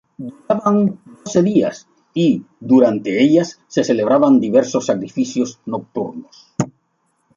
Duraban doce días y, durante ellas, se celebraban diversos sacrificios nocturnos.